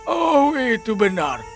oh itu benar